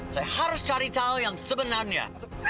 saya harus cari tahu yang sebenarnya